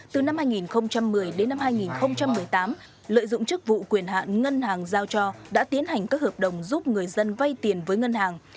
từ năm hai nghìn một mươi đến năm hai nghìn một mươi tám lợi dụng chức vụ quyền hạn ngân hàng giao cho đã tiến hành các hợp đồng giúp người dân vay tiền với ngân hàng